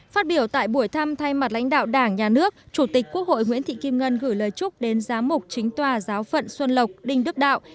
phát biểu tại buổi thăm thay mặt lãnh đạo đảng nhà nước chủ tịch quốc hội nguyễn thị kim ngân gửi lời chúc đến giám mục chính tòa giáo phận xuân lộc đinh đức đạo